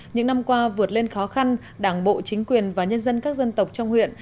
những năm qua vượt lên khó khăn đảng bộ chính quyền và nhân dân các dân tộc trong huyện